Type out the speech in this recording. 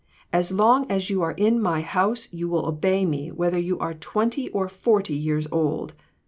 As long as you are in my house you will obey me whether you are twenty or forty years old.